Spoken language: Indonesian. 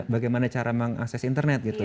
bagaimana cara mengakses internet gitu